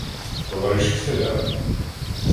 — Товариші селяни!